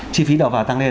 chi phí đầu vào tăng lên